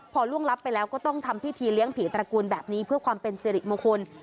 พอล่วงลับไปแล้วก็ต้องทำพิธีเลี้ยงผีตระกูลแบบนี้เพื่อความเป็นสิริมงคล